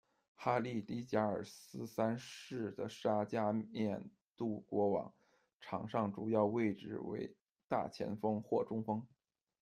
哈利·李·贾尔斯三世的沙加缅度国王，场上主要位置为大前锋或中锋。